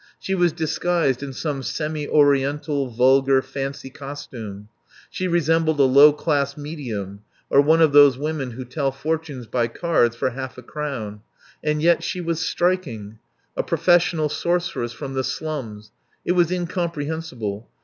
She was disguised in some semi oriental, vulgar, fancy costume. She resembled a low class medium or one of those women who tell fortunes by cards for half a crown. And yet she was striking. A professional sorceress from the slums. It was incomprehensible.